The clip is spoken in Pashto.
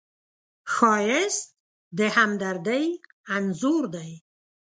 ښایست د همدردۍ انځور دی